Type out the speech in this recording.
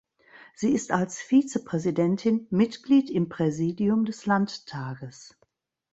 Sie ist als Vizepräsidentin Mitglied im Präsidium des Landtages.